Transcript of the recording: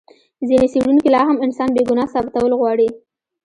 ځینې څېړونکي لا هم انسان بې ګناه ثابتول غواړي.